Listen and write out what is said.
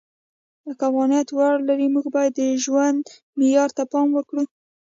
که افغانیت ویاړ لري، موږ باید د ژوند معیار ته پام وکړو.